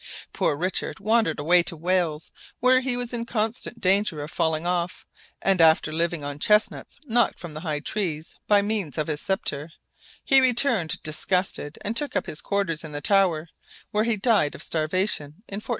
Poor Richard wandered away to Wales, where he was in constant danger of falling off, and after living on chestnuts knocked from the high trees by means of his sceptre, he returned disgusted and took up his quarters in the Tower, where he died of starvation in 1400.